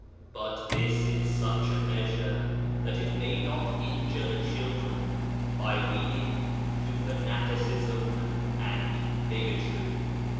. but this in such a measure that it may not injure the children by leading to fanaticism and bigotry."